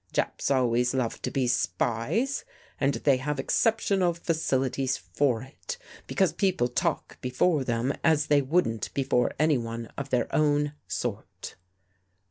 Japs always love to be spies and they have excep tional facilities for it, because people talk before them as they wouldn't before anyone of their own sort."